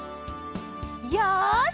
よし！